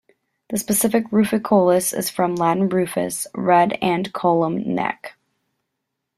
The specific "ruficollis" is from Latin "rufus", "red", and "collum", "neck".